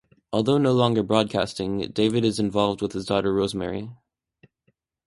Although no longer broadcasting, David is involved with his daughter Rosemary.